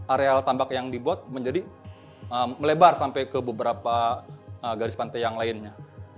areal tambak yang dibuat menjadi melebar sampai ke beberapa garis pantai yang lainnya